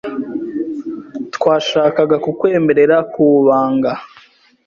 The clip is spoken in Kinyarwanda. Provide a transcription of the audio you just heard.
Twashakaga kukwemerera kubanga.